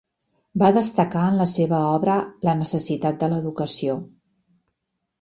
Va destacar en la seva obra la necessitat de l'educació.